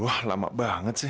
aduh lama banget sih